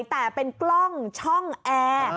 แต่เป็นกล้องช่องแอร์